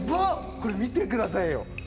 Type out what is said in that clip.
これ見て下さいよ。